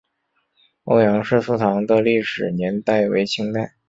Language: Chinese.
欧阳氏祠堂的历史年代为清代。